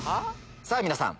さぁ皆さん